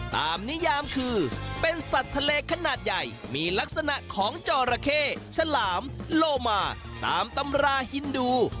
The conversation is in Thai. ตามนิยามคือเป็นสัตว์ทะเลขนาดใหญ่